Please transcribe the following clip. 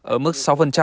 ở mức sáu